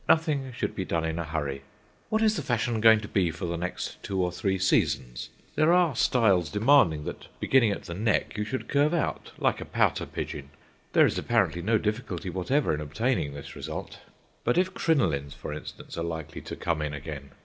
Nothing should be done in a hurry. What is the fashion going to be for the next two or three seasons? There are styles demanding that beginning at the neck you should curve out, like a pouter pigeon. There is apparently no difficulty whatever in obtaining this result. But if crinolines, for instance, are likely to come in again!